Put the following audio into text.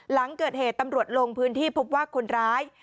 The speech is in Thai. หลังเกิดเหตุตำรวจลงพื้นที่พบว่าคนร้าย